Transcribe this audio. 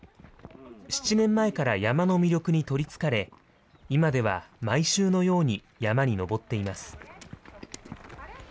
７年前から山の魅力に取りつかれ、今では毎週のように山に登っています。